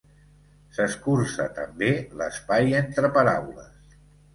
S'escurça també l'espai entre paraules.